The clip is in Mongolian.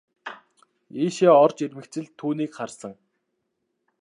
Ийшээ орж ирмэгц л түүнийг харсан.